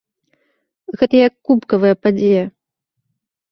Гэта як кубкавая падзея.